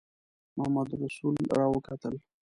محمدرسول را وکتل.